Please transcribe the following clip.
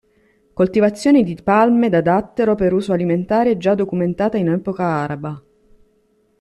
Coltivazione di palme da dattero per uso alimentare già documentata in epoca araba.